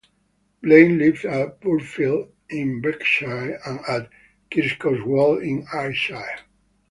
Blane lived at Burghfield in Berkshire and at Kirkoswald in Ayrshire.